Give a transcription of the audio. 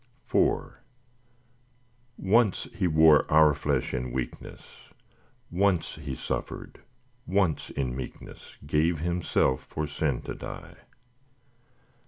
IV Once He wore our flesh in weakness, Once He suffered, once in meekness Gave Himself for sin to die.